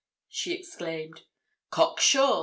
she exclaimed. "Cock sure!